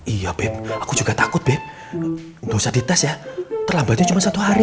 iya beb aku juga takut bep nggak usah dites ya terlambatnya cuma satu hari